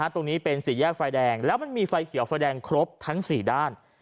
ตรงนี้เป็นสี่แยกไฟแดงแล้วมันมีไฟเขียวไฟแดงครบทั้ง๔ด้าน